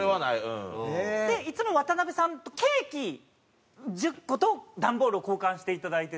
でいつもワタナベさんとケーキ１０個と段ボールを交換していただいてて。